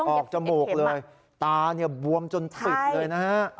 จมูกเลยตาเนี่ยบวมจนปิดเลยนะฮะ